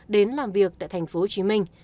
đến làm việc tại thành phố hồ chí minh